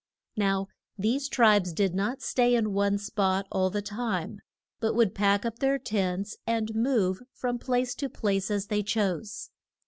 Now these tribes did not stay in one spot all the time, but would pack up their tents and move from place to place as they chose.